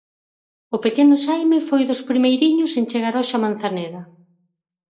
O pequeno Xaime foi dos primeiriños en chegar hoxe a Manzaneda.